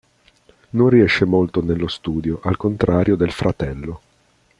Non riesce molto nello studio, al contrario del fratello.